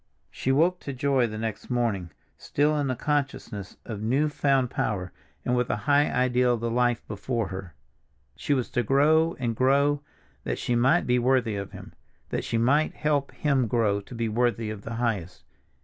She woke to joy the next morning, still in this consciousness of new found power, and with a high ideal of the life before her. She was to grow and grow that she might be worthy of him—that she might help him grow to be worthy of the highest.